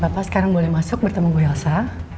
bapak sekarang boleh masuk bertemu bu elsa